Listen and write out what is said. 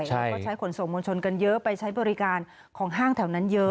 แล้วก็ใช้ขนส่งมวลชนกันเยอะไปใช้บริการของห้างแถวนั้นเยอะ